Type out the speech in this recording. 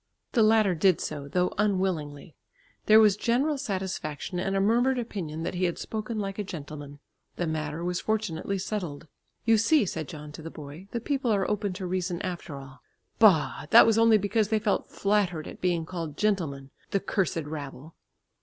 The latter did so, though unwillingly. There was general satisfaction and a murmured opinion that he had "spoken like a gentleman." The matter was fortunately settled. "You see," said John to the boy, "the people are open to reason after all!" "Bah! That was only because they felt flattered at being called gentlemen, the cursed rabble!"